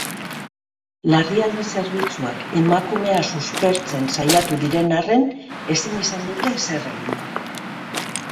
Larrialdi-zerbitzuak emakumea suspertzen saiatu diren arren, ezin izan dute ezer egin.